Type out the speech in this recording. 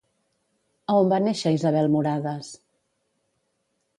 A on va néixer Isabel Muradas?